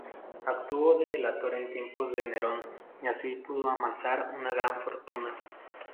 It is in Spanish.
Actuó de delator en tiempos de Nerón y así pudo amasar una gran fortuna.